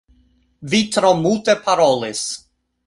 Vi jam tro multe parolis